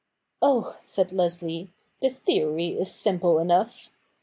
' Oh !' said Leslie, ' the theory is simple enough.